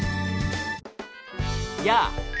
やあ！